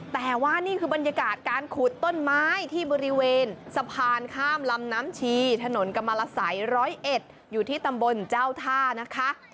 แต่ว่านี่คือบรรยากาศการขุดต้นไม้ที่บริเวณสะพานข้ามลำน้ำชีถนนกรรมรสัย๑๐๑อยู่ที่ตำบลเจ้าท่านะคะ